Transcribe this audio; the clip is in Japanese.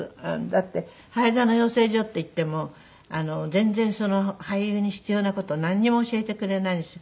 だって俳優座の養成所っていっても全然俳優に必要な事なんにも教えてくれないんです。